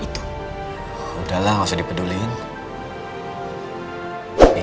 itu bukanlah konturi pemimpin